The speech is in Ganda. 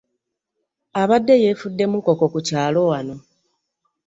Abadde yeefudde mukoko ku kyalo wano.